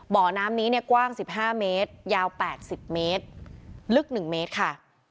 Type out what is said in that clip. บ่อน้ำนี้เนี่ยกว้าง๑๕เมตรยาว๘๐เมตรลึก๑เมตรค่ะ